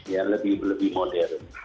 yang lebih modern